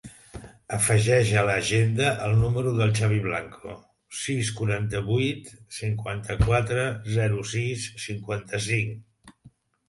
Afegeix a l'agenda el número del Xavi Blanco: sis, quaranta-vuit, cinquanta-quatre, zero, sis, cinquanta-cinc.